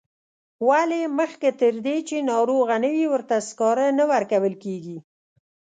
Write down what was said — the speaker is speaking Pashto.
ولې مخکې تر دې چې ناروغه نه وي ورته سکاره نه ورکول کیږي.